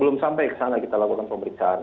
belum sampai kesana kita lakukan pemeriksaan